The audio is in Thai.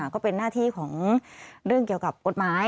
ก็เป็นหน้าที่ของเรื่องเกี่ยวกับกฎหมาย